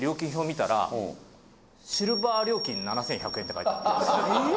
見たらシルバー料金７１００円って書いてあったんです